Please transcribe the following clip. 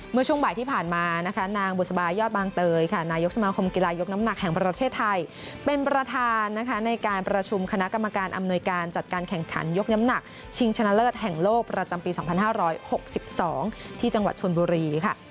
เมื่อช่วงบ่ายที่ผ่านมานะคะนางบุษบายอดบางเตยค่ะนายกสมาคมกีฬายกน้ำหนักแห่งประเทศไทยเป็นประธานนะคะในการประชุมคณะกรรมการอำนวยการจัดการแข่งขันยกน้ำหนักชิงชนะเลิศแห่งโลกประจำปี๒๕๖๒ที่จังหวัดชนบุรีค่ะ